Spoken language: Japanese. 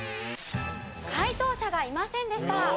解答者がいませんでした。